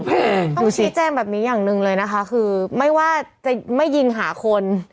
ต้องชี้แจงแบบนี้อย่างหนึ่งเลยนะคะคือไม่ว่าจะไม่ยิงหาคน